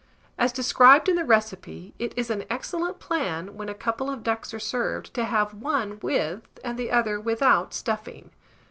(As described in the recipe, it is an excellent plan, when a couple of ducks are served, to have one with, and the other without stuffing.)